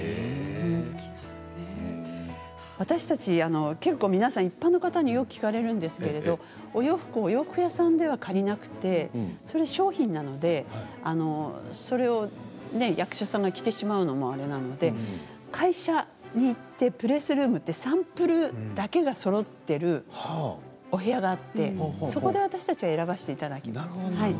私たち結構、皆さん一般の方によく聞かれるんですけれどお洋服をお洋服屋さんでは借りなくてそれは商品なのでそれを役者さんが着てしまうのもあれなので会社に行ってプレスルームってサンプルだけがそろってるお部屋があって、そこで私たちは選ばせていただきます。